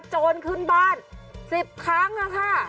โจรขึ้นบ้าน๑๐ครั้งค่ะ